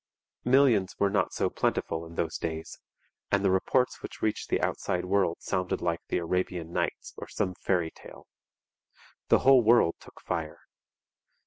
Millions were not so plentiful in those days, and the reports which reached the outside world sounded like the Arabian Nights or some fairy tale. The whole world took fire.